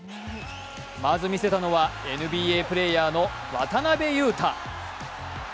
まずみせたのはＮＢＡプレーヤーの渡邊雄太。